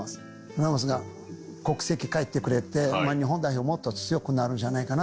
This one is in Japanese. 「ラモスが国籍変えてくれて日本代表もっと強くなるんじゃないかな」